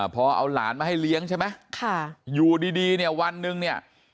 พอเอาหลานมาให้เลี้ยงใช่ไหมอยู่ดีเนี่ยวันหนึ่งเนี่ย